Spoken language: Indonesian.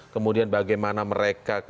kemudian bagaimana mereka